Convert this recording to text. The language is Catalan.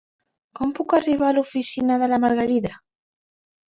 Com puc arribar l'oficina de la Margarida?